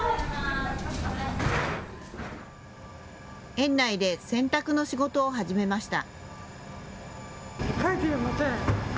園内で洗濯の仕事を始めました。